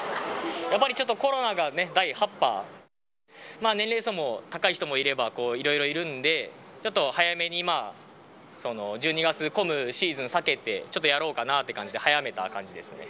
やっぱりちょっと、コロナがね、第８波、年齢層も高い人もいれば、いろいろいるんで、ちょっと早めにまあ、１２月、混むシーズン避けて、ちょっとやろうかなって感じで、早めた感じですね。